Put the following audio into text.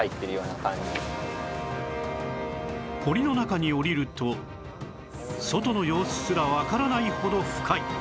堀の中に下りると外の様子すらわからないほど深い